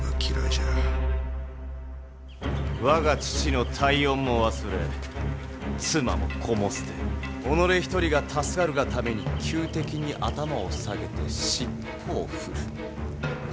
我が父の大恩も忘れ妻も子も捨て己一人が助かるがために仇敵に頭を下げて尻尾を振るハッ。